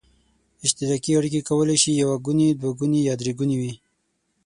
اشتراکي اړیکې کولای شي یو ګوني، دوه ګوني یا درې ګوني وي.